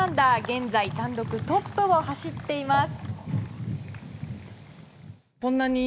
現在、単独トップを走っています。